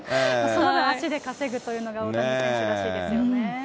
足で稼ぐというのが大谷選手らしいですよね。